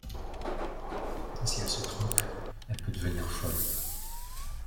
Si elle se trompe, elle peut devenir folle.